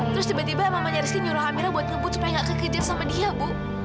terus tiba tiba mamanya rizky nyuruh hamil buat ngebut supaya nggak kekejar sama dia bu